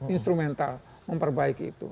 instrumental memperbaiki itu